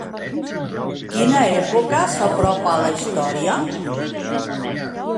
Quina època s'apropa a la història?